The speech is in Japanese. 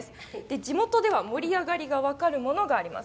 地元では盛り上がりが分かるものがあります。